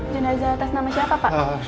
jenazah atas nama siapa pak